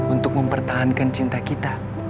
untuk mempertahankan cinta kita